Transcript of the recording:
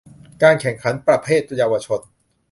การแข่งขันประเภทเยาวชน